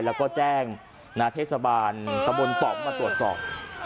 แล้วก็แจ้งนาทธิสบาลกระบวนตอบมาตรวจสอบ